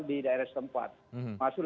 di daerah tempat termasuk